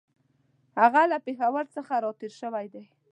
هغه له پېښور څخه را تېر شوی دی.